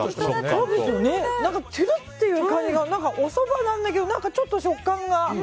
トゥルっていう感じがおそばなんだけどちょっと食感が。